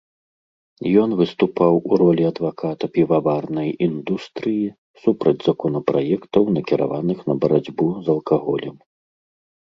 Ён выступаў у ролі адваката піваварнай індустрыі, супраць законапраектаў, накіраваных на барацьбу з алкаголем.